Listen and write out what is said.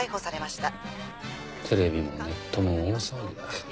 テレビもネットも大騒ぎだ。